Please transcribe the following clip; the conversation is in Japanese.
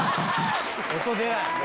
音出ない。